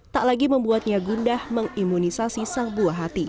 tak lagi membuatnya gundah mengimunisasi sang buah hati